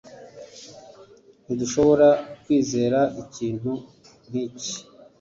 Ntidushobora kwizera ikintu nkiki.